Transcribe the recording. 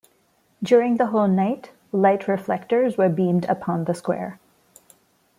During the whole night light reflectors were beamed upon the square.